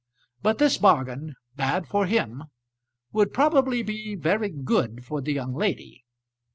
But this bargain, bad for him, would probably be very good for the young lady.